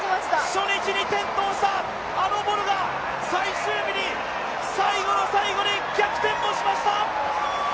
初日に転倒したあのボルが最終日に、最後の最後に逆転をしました！